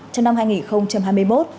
trong năm hai nghìn hai mươi một